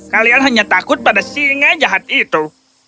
kalian hanya takut pada singa jahat itu